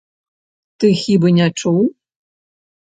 Ты хіба не чуў?